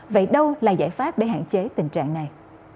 vậy đâu là giải pháp để hạn chế tình trạng này